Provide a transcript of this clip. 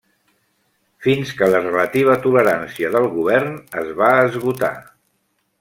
Fins que la relativa tolerància del govern es va esgotar.